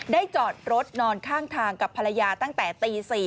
จอดรถนอนข้างทางกับภรรยาตั้งแต่ตี๔